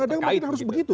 kadang kadang harus begitu